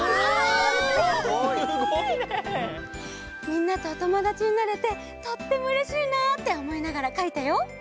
みんなとおともだちになれてとってもうれしいなっておもいながらかいたよ。